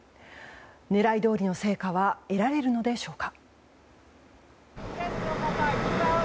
狙いどおりの成果は得られるのでしょうか。